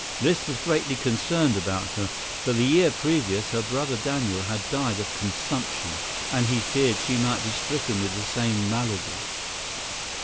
Liszt was greatly concerned about her, for the year previous her brother Daniel had died of consumption, and he feared she might be stricken with the same malady.